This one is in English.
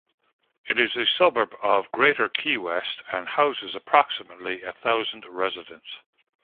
It is a suburb of greater Key West, and houses approximately a thousand residents.